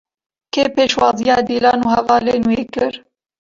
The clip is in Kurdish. Kê pêşwaziya Dîlan û hevalên wê kir?